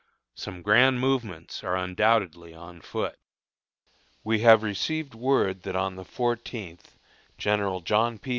Some grand movements are undoubtedly on foot. We have received word that on the fourteenth General John P.